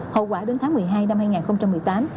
hậu quả đến tháng một mươi hai năm hai nghìn một mươi tám